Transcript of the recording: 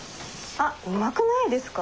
あっうまくないですか？